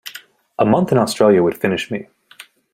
A month in Australia would finish me.